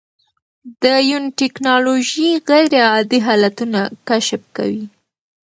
د یون ټېکنالوژي غیرعادي حالتونه کشف کوي.